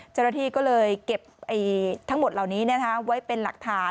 เจ้าหน้าที่ก็เลยเก็บทั้งหมดเหล่านี้ไว้เป็นหลักฐาน